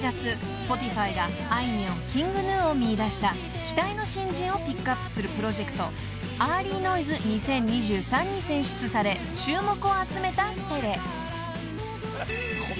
ＳｐｏｔｉｆｙがあいみょんＫｉｎｇＧｎｕを見いだした期待の新人をピックアップするプロジェクトＥａｒｌｙＮｏｉｓｅ２０２３に選出され注目を集めたＴｅｌｅ］